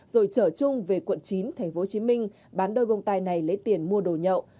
rồi chở trung về quận chín tp hcm bán đôi bông tay này lấy tiền mua đồ nhậu